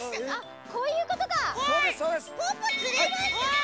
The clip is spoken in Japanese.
あっこういうことか！